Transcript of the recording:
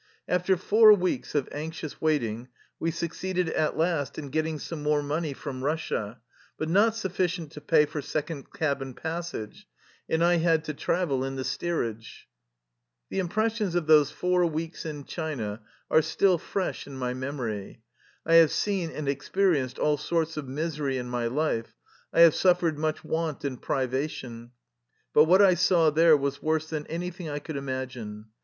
After four weeks of anxious waiting we suc ceeded at last in getting some more money from Eussia, but not sufficient to pay for second cabin passage, and I had to travel in the steer age. The impressions of those four weeks in China are still fresh in my memory. I have seen and experienced all sorts of misery in my life, I have suffered much want and privation, but what I saw there was worse than anything I could im agine.